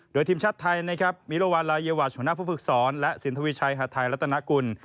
โดยทีมชาติไทยมีรวรรณลายีวัดหัวหน้าผู้ฟึกษรและสินทวิชัยฮาทายรัตนากุล